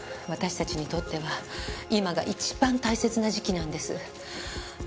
私たちにとっては今が一番大切な時期なんです。